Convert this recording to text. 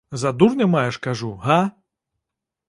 За дурня маеш, кажу, га?